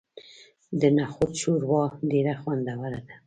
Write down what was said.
د نخودو شوروا ډیره خوندوره ده.